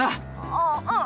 あっうん。